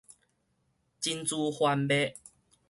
真珠番麥